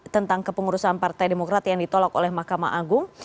tentang kepengurusan partai demokrat yang ditolak oleh mahkamah agung